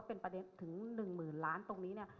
ถึงประเด็นถึง๑หมื่นล้านตรงนี้เนี่ย